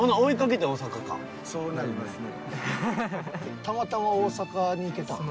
そうなりますね。